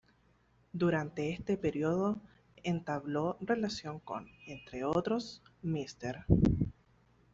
Durante este período entabló relación con, entre otros, Mr.